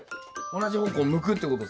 同じ方向向くってこと。